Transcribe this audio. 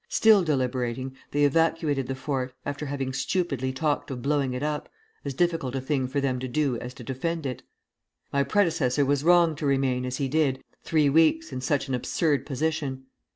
Still deli berating, they evacuated the fort, after having stupidly talked of blowing it up, as difficult a thing for them to do as to defend it.... My predecessor was wrong to remain, as he did, three weeks in such an absurd position.